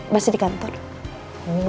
masih di kantor